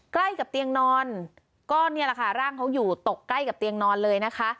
ใกล้กับเตียงนอนก็นี่แหละค่ะร่างเขาอยู่ตกใกล้กับเตียงนอนเลยนะคะ